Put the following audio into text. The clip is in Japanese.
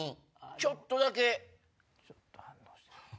ちょっとだけ。